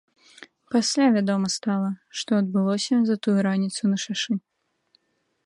Пасля вядома стала, што адбылося за тую раніцу на шашы.